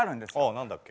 何だっけ？